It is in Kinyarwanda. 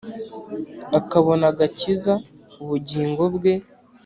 akabona agakiza ubugingo bwe